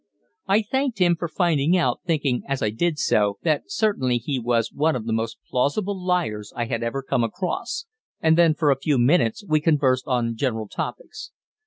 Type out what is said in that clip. I thanked him for finding out, thinking, as I did so, that certainly he was one of the most plausible liars I had ever come across; and then for a few minutes we conversed on general topics.